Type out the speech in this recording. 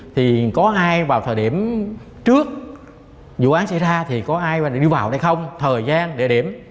thì có ai vào thời điểm trước vụ án xảy ra thì có ai đi vào đây không thời gian địa điểm